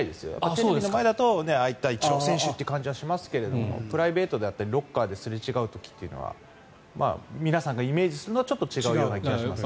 テレビの前だと、ああいったイチロー選手という感じがしますがプライベートであったりロッカーですれ違う時は皆さんのイメージするのとはちょっと違うような気がします。